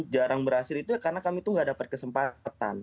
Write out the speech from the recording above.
jarang berhasil itu karena kami tuh gak dapat kesempatan